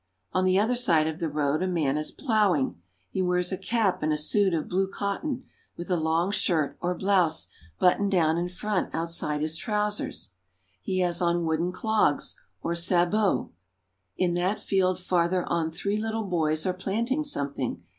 On the other side of the road a man is plowing; he wears a cap and a suit of blue cotton, with a long shirt or blouse buttoned down in front outside his trousers ; he has RURAL FRANCE. 9 1 on wooden clogs or sabots. . In that field farther on three little boys are planting something.